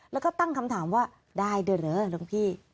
แล้วก็ตั้งคำถามว่าได้ด้วยเหรอหลวงพี่